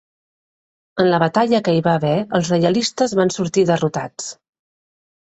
En la batalla que hi va haver els reialistes van sortir derrotats.